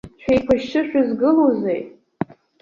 Шәеиқәышьшьы шәызгылоузеи?